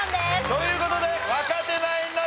という事で若手ナインの勝利！